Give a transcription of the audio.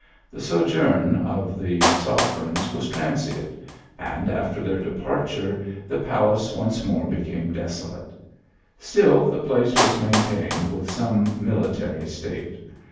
The sojourn of the sovereigns was transient ; arid, after their departure, the palace once more became desolate. Still the place was maintained with some military state.